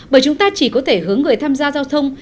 bởi chúng ta chỉ có thể hướng người tham gia giao thông